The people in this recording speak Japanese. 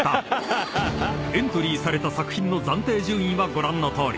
［エントリーされた作品の暫定順位はご覧のとおり］